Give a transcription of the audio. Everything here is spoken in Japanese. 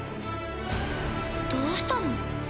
どうしたの？